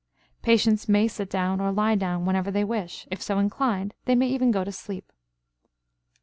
Patients may sit down or lie down whenever they wish; if so inclined they may even go to sleep.